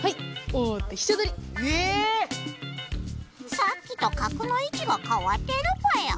さっきと角のいちがかわってるぽよ。